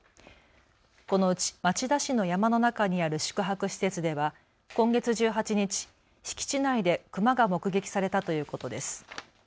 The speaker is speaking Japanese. このうち町田市の山の中にある宿泊施設では今月１８日、敷地内でクマが目撃されたということです。